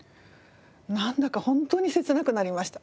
なんだか本当に切なくなりました。